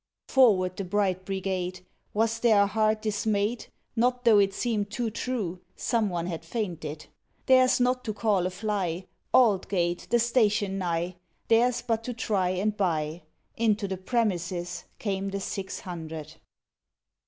Forward the bright brigade ! Was there a heart dismayed, Not tho' it seemed too true Someone had fainted. Their' s not to call a fly, Aldgate, the station nigh ; Their's but to try and buy. Into the premises Came the six hundred.